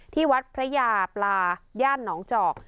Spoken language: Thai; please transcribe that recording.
ที่วัดพระยาปลาย่านหนองจอก